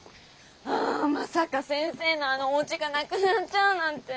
あまさか先生のあのお家がなくなっちゃうなんて。